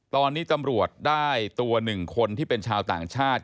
ตอนนี้ตำรวจได้ตัว๑คนที่เป็นชาวต่างชาติ